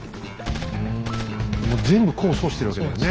うん全部功を奏しているわけだよね